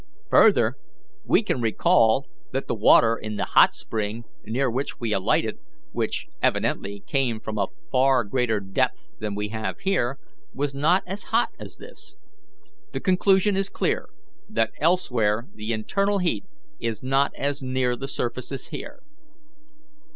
Further, we can recall that the water in the hot spring near which we alighted, which evidently came from a far greater depth than we have here, was not as hot as this. The conclusion is clear that elsewhere the internal heat is not as near the surface as here."